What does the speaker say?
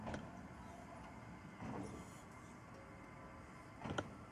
Un tío, George Pearce, sirvió brevemente en la Asamblea Legislativa de Australia Meridional.